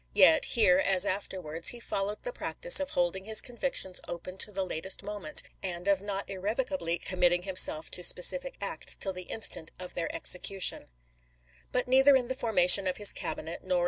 Yet, here as after wards, he followed the practice of holding his convictions open to the latest moment, and of not irrevocably committing himself to specific acts till the instant of their execution. LINCOLN'S INAUGURATION 319 But neither in the formation of his Cabinet nor chap.